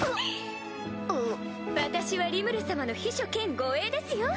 私はリムル様の秘書兼護衛ですよ！